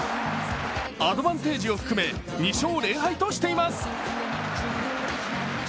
アドバンテージを含め２勝０敗としています。